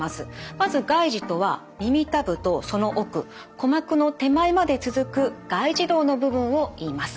まず外耳とは耳たぶとその奥鼓膜の手前まで続く外耳道の部分をいいます。